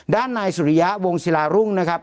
ด้านนายสุริยะวงศิลารุ่งนะครับ